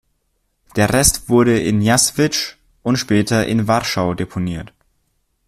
Der Rest wurde in Njaswisch und später in Warschau deponiert.